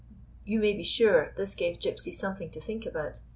You may be sure this gave Gypsy something to think about.